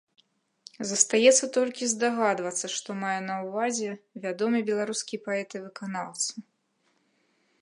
Застаецца толькі здагадвацца, што мае на ўвазе вядомы беларускі паэт і выканаўца.